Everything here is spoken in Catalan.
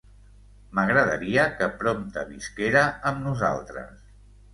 M'agradaria que prompte visquera amb nosaltres.